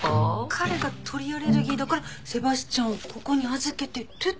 彼が鳥アレルギーだからセバスチャンをここに預けてるって。